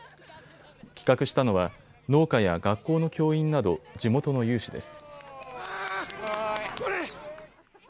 企画したのは農家や学校の教員など地元の有志です。